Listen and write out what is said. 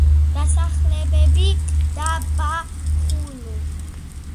დასახლებები: დაბა ხულო.